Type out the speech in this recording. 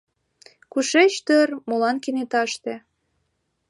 Кушеч дыр, молан кенеташте